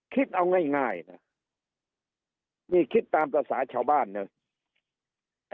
คิดเอาง่ายง่ายน่ะมีคิดตามศาสาชาวบ้านน่ะ